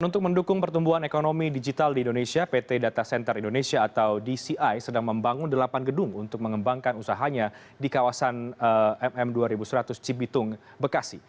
untuk mendukung pertumbuhan ekonomi digital di indonesia pt data center indonesia atau dci sedang membangun delapan gedung untuk mengembangkan usahanya di kawasan mm dua ribu seratus cibitung bekasi